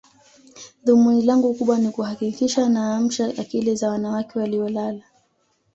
Dhumuni langu kubwa ni kuhakikisha naamsha akili za wanawake waliolala